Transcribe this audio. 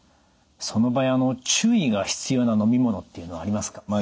その場合注意が必要な飲み物っていうのはありますか？